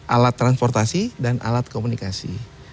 alat transportasi dan alat komunikasi